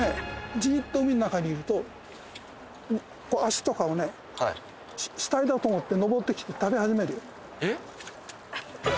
じーっと海の中にいると脚とかをね死体だと思って上ってきて食べ始めるよははははっ